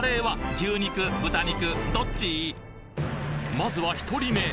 まずは１人目。